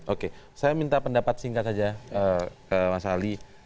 oke saya minta pendapat singkat saja ke mas ali